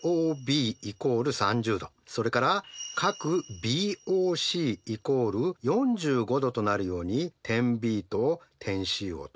それから角ＢＯＣ＝４５°となるように点Ｂと点Ｃを取ります。